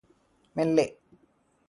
മെല്ലെ